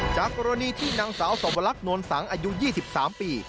จากกรณีที่นางสาวสวรรคโนลสังอายุ๒๓ปี